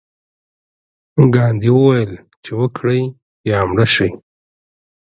ګاندي وویل چې وکړئ یا مړه شئ.